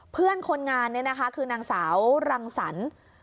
เพื่อนคนงานเนี่ยนะคะคือนางสาวรังสรรค์